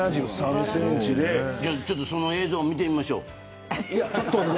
ちょっと、その映像を見てみましょう。